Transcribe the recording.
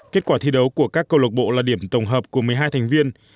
kết quả thi đấu của các câu lộc bộ là điểm tổng hợp của một mươi hai thành viên